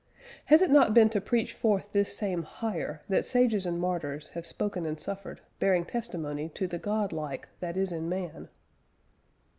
has it not been to preach forth this same HIGHER that sages and martyrs ... have spoken and suffered; bearing testimony to the God like that is in man?"